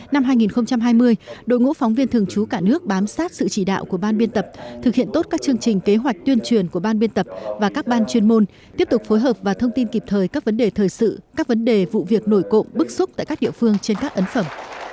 năm hai nghìn hai mươi đội ngũ phóng viên thường trú cả nước bám sát sự chỉ đạo của ban biên tập thực hiện tốt các chương trình kế hoạch tuyên truyền của ban biên tập và các ban chuyên môn tiếp tục phối hợp và thông tin kịp thời các vấn đề thời sự các vấn đề vụ việc nổi cộng bức xúc tại các địa phương trên các ấn phẩm